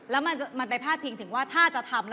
แล้วมันไปพลาดทีทึ่งถ้า